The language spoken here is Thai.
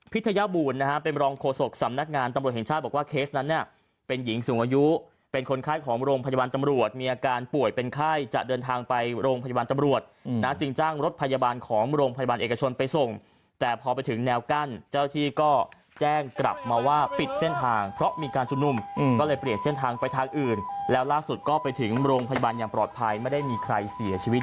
เป็นคนไข้ของโรงพยาบาลตำรวจมีอาการป่วยเป็นไข้จะเดินทางไปโรงพยาบาลตำรวจน้าติ่งจ้างรถพยาบาลของโรงพยาบาลเอกชนไปส่งแต่พอไปถึงแนวกั้นเจ้าที่ก็แจ้งกลับมาว่าปิดเส้นทางเพราะมีการชุดนุ่มก็เลยเปลี่ยนเส้นทางไปทางอื่นแล้วล่าสุดก็ไปถึงโรงพยาบาลอย่างปลอดภัยไม่ได้มีใครเสียชีวิต